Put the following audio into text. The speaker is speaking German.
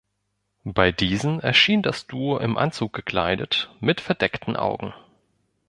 Bei diesen erschien das Duo im Anzug gekleidet, mit verdeckten Augen.